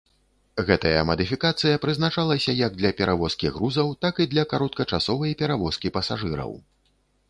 Гэтая мадыфікацыя прызначалася як для перавозкі грузаў, так і для кароткачасовай перавозкі пасажыраў.